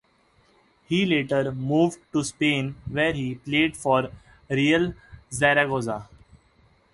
He later moved to Spain, where he played for Real Zaragoza.